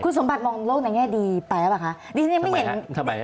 คุณสมบัติมองโลกในแง่ดีไปแล้วป่ะคะ